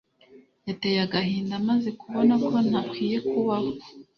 yateye agahinda maze kubona ko ntakwiye kubaho.